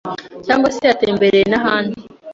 cyangwa se yatembereye, n’ahandi